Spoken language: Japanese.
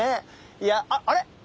いやああれ？